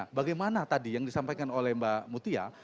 nah bagaimana tadi yang disampaikan oleh mbak mutia